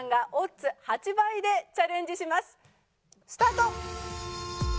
スタート！